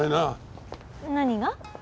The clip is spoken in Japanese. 何が？